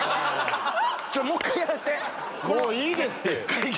もういいですって。